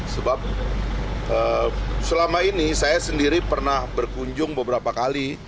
sebab selama ini saya sendiri pernah berkunjung beberapa kali